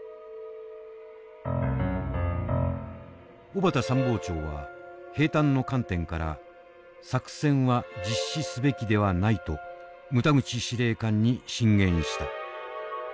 小畑参謀長は兵站の観点から「作戦は実施すべきではない」と牟田口司令官に進言した。